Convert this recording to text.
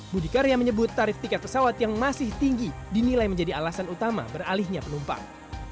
budi karya menyebut tarif tiket pesawat yang masih tinggi dinilai menjadi alasan utama beralihnya penumpang